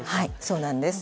そうなんです。